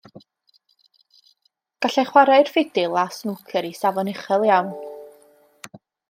Gallai chwarae'r ffidil a snwcer i safon uchel iawn.